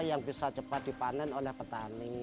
yang bisa cepat dipanen oleh petani